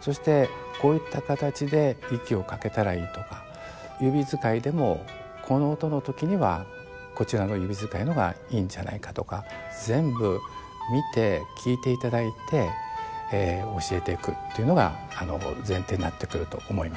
そしてこういった形で息をかけたらいいとか指使いでもこの音の時にはこちらの指使いの方がいいんじゃないかとか全部見て聴いていただいて教えていくっていうのが前提になってくると思います。